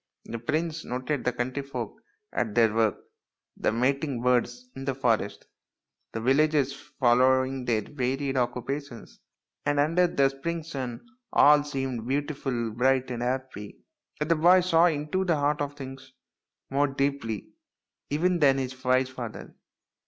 The prince noted the country folk at their work, the mating birds in the forest, the villagers following their varied occupations, and under the spring sun all seemed beautiful, bright, and happy. But the boy saw into the heart of things more deeply even than his wise father.